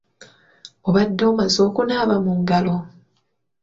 Obadde omaze okunaaba mu ngalo?